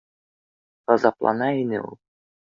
Ғазаплана ине ул